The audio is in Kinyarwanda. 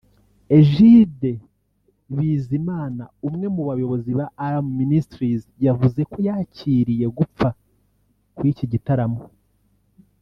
Egide Bizima umwe mu bayobozi ba Alarm Ministries yavuze uko yakiriye gupfa kw'iki gitaramo